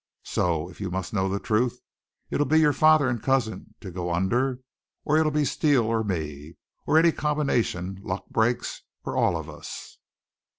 So, if you must know the truth, it'll be your father and cousin to go under, or it'll be Steele or me, or any combination luck breaks or all of us!"